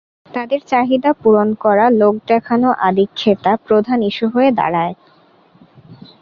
তাঁদের চাহিদা পূরণ করা, লোক দেখানো আদিখ্যেতা প্রধান ইস্যু হয়ে দাঁড়ায়।